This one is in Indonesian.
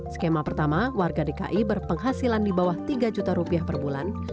skema pertama warga dki berpenghasilan di bawah tiga juta rupiah per bulan